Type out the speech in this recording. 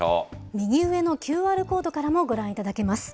右上のＱＲコードからもご覧いただけます。